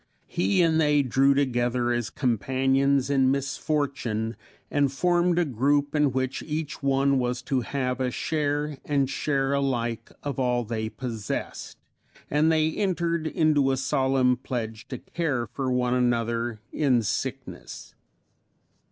He and they drew together as companions in misfortune, and formed a group in which each one was to have a share and share alike of all they possessed; and they entered into a solemn pledge to care for one another in sickness.